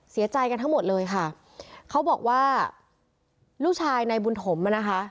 เสียใจกันทั้งหมดเลยค่ะเขาบอกว่าลูกชายในบุญถมอ่ะนะคะ